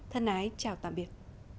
thân ái chào tạm biệt